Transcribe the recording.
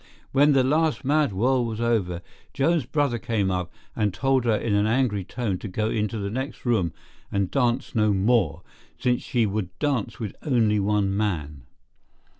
When the last mad whirl was over, Joan's brother came up and told her in an angry tone to go into the next room and dance no more, since she would dance with only one man.